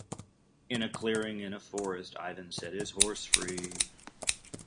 In a clearing in a forest, Ivan has set his horse free.